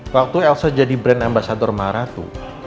waktu elsa jadi brand ambasador marathon